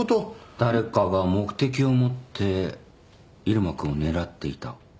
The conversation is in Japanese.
誰かが目的を持って入間君を狙っていた。